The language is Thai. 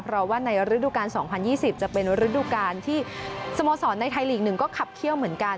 เพราะว่าในฤดูกาล๒๐๒๐จะเป็นฤดูกาลที่สโมสรในไทยลีก๑ก็ขับเขี้ยวเหมือนกัน